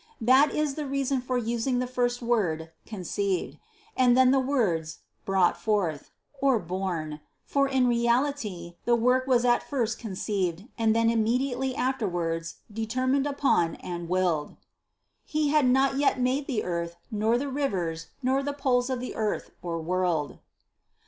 That is the reason for using first the word "conceived" and then the words "brought forth," or born; for in reality the work was at first conceived and then immediately afterwards determined upon and willed. 63. "He had not yet made the earth, nor the rivers, nor the poles of the (earth) world."